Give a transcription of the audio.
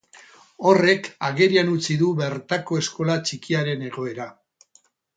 Horrek agerian utzi du bertako eskola txikiaren egoera.